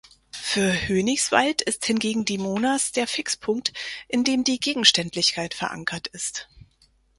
Für Hönigswald ist hingegen die Monas der Fixpunkt, in dem die Gegenständlichkeit verankert ist.